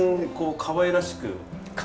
かわいらしく。